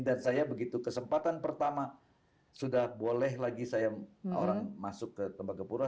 dan saya begitu kesempatan pertama sudah boleh lagi saya orang masuk ke tembagapura